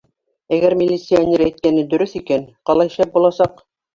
Әгәр милиционер әйткәне дөрөҫ икән, ҡалай шәп буласаҡ.